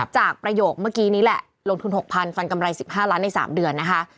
ประโยคเมื่อกี้นี้แหละลงทุน๖๐๐ฟันกำไร๑๕ล้านใน๓เดือนนะคะ